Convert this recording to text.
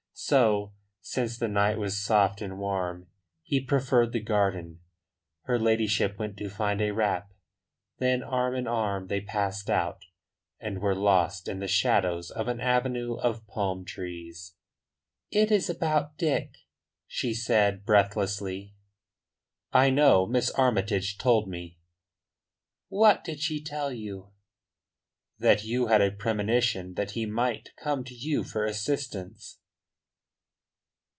So, since the night was soft and warm, he preferred the garden. Her ladyship went to find a wrap, then arm in arm they passed out, and were lost in the shadows of an avenue of palm trees. "It is about Dick," she said breathlessly. "I know Miss Armytage told me." "What did she tell you?" "That you had a premonition that he might come to you for assistance."